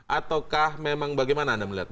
ataukah memang bagaimana anda melihat